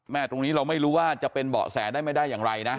ตรงนี้เราไม่รู้ว่าจะเป็นเบาะแสได้ไม่ได้อย่างไรนะ